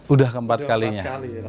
udah keempat kalinya